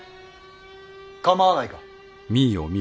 構わないか。